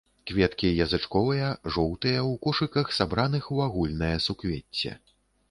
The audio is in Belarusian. Кветкі язычковыя, жоўтыя, у кошыках, сабраных у агульнае суквецце.